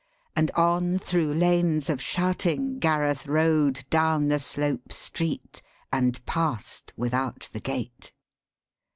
And on thro' lanes of shouting Gareth rode Down the slope street, and past without the gate.